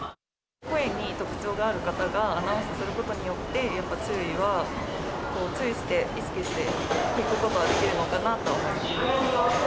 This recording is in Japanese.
声に特徴がある方がアナウンスすることによって、やっぱり注意して、意識して聞くことができるのかなと思います。